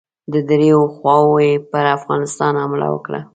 د دریو خواوو یې پر افغانستان حمله وکړه.